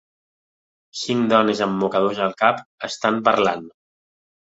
Cinc dones amb mocadors al cap estan parlant.